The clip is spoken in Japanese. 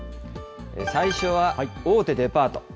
最初は大手デパート。